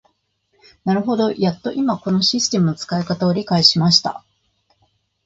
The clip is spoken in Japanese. なるほど、やっと今このシステムの使い方を理解しました。